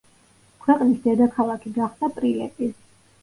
ქვეყნის დედაქალაქი გახდა პრილეპი.